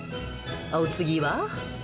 お次は。